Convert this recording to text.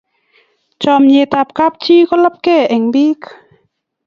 chamiet ab kap chi ko labkei eng bik